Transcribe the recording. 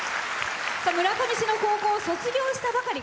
村上市の高校を卒業したばかり。